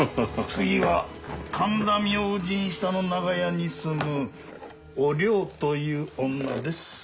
次は神田明神下の長屋に住むお涼という女です。